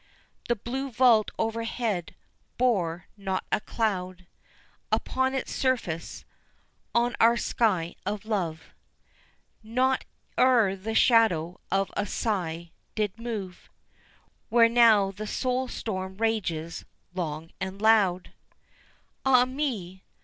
The blue vault overhead bore not a cloud Upon its surface; on our sky of love Not e'en the shadow of a sigh did move, Where now the soul storm rages long and loud. Ah, me!